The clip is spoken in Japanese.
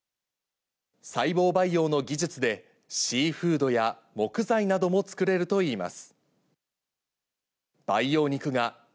細胞培養の技術で、シーフードや木材なども作れるといいます。